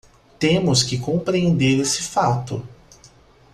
Temos que compreender esse fato.